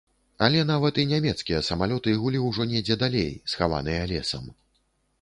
Але нават і нямецкія самалёты гулі ўжо недзе далей, схаваныя лесам.